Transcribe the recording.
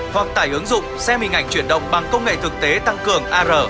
hoặc tải ứng dụng xem hình ảnh chuyển động bằng công nghệ thực tế tăng cường ar